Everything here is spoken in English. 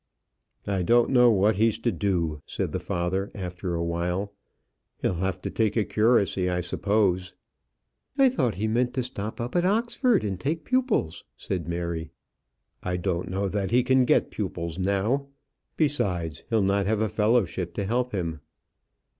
"I don't know what he's to do," said the father, after awhile; "he'll have to take a curacy, I suppose." "I thought he meant to stop up at Oxford and take pupils," said Mary. "I don't know that he can get pupils now. Besides, he'll not have a fellowship to help him."